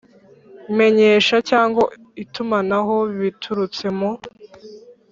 Menyesha cyangwa itumanaho biturutse mu